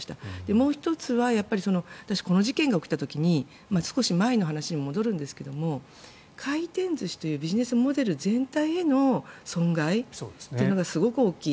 もう１つは私、この事件が起きた時に少し前の話に戻るんですが回転寿司というビジネスモデル全体への損害がすごく大きい。